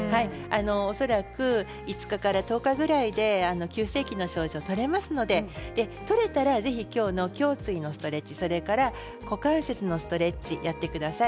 恐らく５日から１０日ぐらいで急性期の症状が取れますので取れたらぜひ今日の胸椎のストレッチ股関節のストレッチやってください。